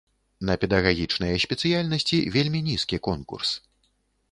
На педагагічныя спецыяльнасці вельмі нізкі конкурс.